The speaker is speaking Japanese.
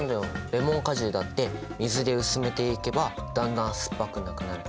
レモン果汁だって水で薄めていけばだんだん酸っぱくなくなる。